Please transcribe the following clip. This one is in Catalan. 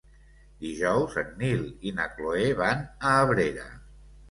Dijous en Nil i na Cloè van a Abrera.